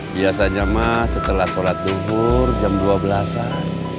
biasanya mah setelah sholat duhur jam dua belas an